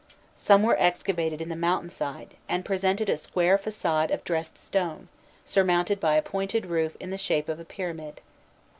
Some were excavated in the mountain side, and presented a square façade of dressed stone, surmounted by a pointed roof in the shape of a pyramid.